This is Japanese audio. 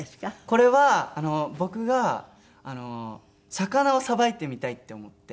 これは僕が魚をさばいてみたいって思って。